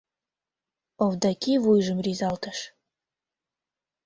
— Овдаки вуйжым рӱзалтыш.